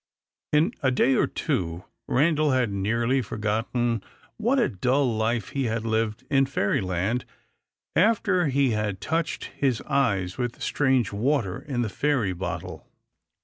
In a day or two, Randal had nearly forgotten what a dull life he had lived in Fairyland, after he had touched his eyes with the strange water in the fairy bottle.